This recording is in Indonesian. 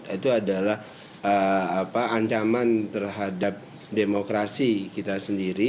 itu adalah ancaman terhadap demokrasi kita sendiri